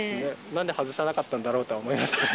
なんで外さなかったんだろうと思いますけど。